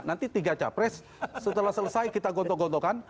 nanti tiga capres setelah selesai kita gontok gontokan